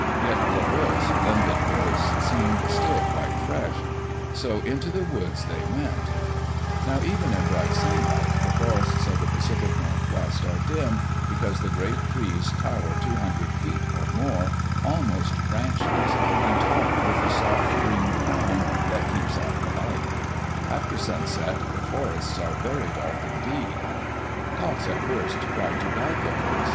Yet Le Bleu, splendid horse, seemed still quite fresh. So into the woods they went Now even in bright sunlight the forests of the Pacific Northwest are dim, because the great trees tower two hun dred feet or more, almost branchless, and topped with a soft green crown which keeps out the light After sun set, the forests are very dark indeed Cox at first tried to guide the horse.